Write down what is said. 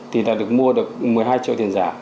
thì đã được mua được một mươi hai triệu tiền giả